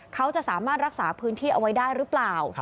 เขาจะสามารถรักษาพื้นที่เอาไว้ได้หรือเปล่า